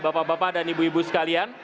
bapak bapak dan ibu ibu sekalian